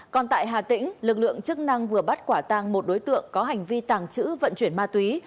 còn tại hà tĩnh lực lượng chức năng vừa bắt quả tàng một đối tượng có hành vi tàng trữ vận chuyển ma túy